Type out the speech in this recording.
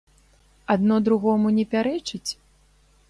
Адно другому не пярэчыць?